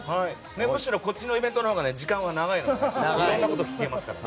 むしろこっちのイベントのほうが時間が長いのでいろんなことを聞けますから。